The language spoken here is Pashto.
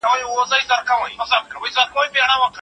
حسن بصري رحمه الله د عاقل ماشوم په اړه څه وایي؟